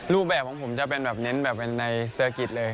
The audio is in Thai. รูปแบบของผมจะเป็นแบบเน้นแบบเป็นในเซอร์กิจเลย